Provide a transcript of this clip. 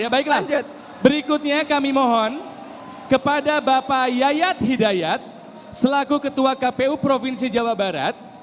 baiklah berikutnya kami mohon kepada bapak yayat hidayat selaku ketua kpu provinsi jawa barat